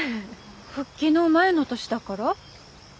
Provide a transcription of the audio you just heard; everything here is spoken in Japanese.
復帰の前の年だから７年？